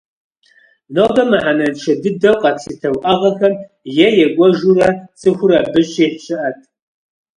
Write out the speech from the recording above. Нобэ мыхьэнэншэ дыдэу къэтлъытэ уӏэгъэхэм е екӏуэжурэ цӏыхур абы щихь щыӏэт.